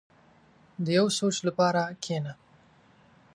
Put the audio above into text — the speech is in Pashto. • د یو سوچ لپاره کښېنه.